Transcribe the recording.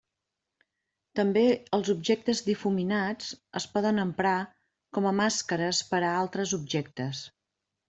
També, els objectes difuminats es poden emprar com a màscares per a altres objectes.